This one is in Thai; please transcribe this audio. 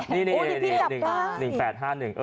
นี่หนึ่งแปด๕หนึ่ง